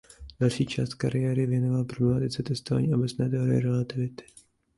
Další část kariéry věnoval problematice testování obecné teorie relativity.